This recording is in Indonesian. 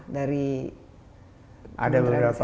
ada beberapa anggaran yang dimasukkan dari pusat